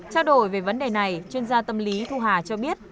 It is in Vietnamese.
trao đổi về vấn đề này chuyên gia tâm lý thu hà cho biết